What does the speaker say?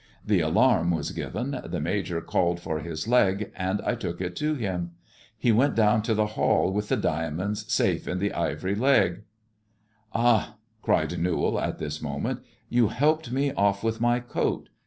The alarm s given, the Major called for his leg, and I took it to 1. He went down to the hall with th« diamonds safe hia ivopy leg." ^^^ "Ah!" cried Newall at this moment, "yon helped me f with my coat.